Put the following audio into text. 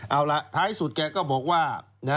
เอาล่ะท้ายสุดแกก็บอกว่า